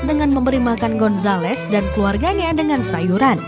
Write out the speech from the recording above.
dengan memberi makan gonzales dan keluarganya dengan sayuran